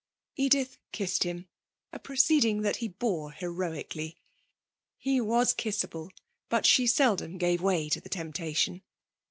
Edith kissed him, a proceeding that he bore heroically. He was kissable, but she seldom gave way to the temptation.